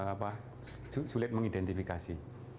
apa sulit mengidentifikasi